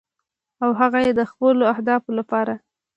او هغه یې د خپلو اهدافو لپاره